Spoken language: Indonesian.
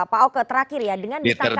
pak oke terakhir ya dengan distabil